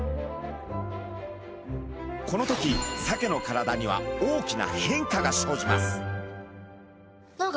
この時サケの体には大きな変化が生じます。